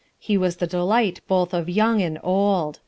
He was the delight both of young and old."